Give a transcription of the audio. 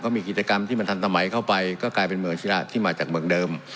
มีกิจกรรมที่มันทันสมัยเข้าไปก็กลายเป็นเมืองชิระที่มาจากเมืองเดิม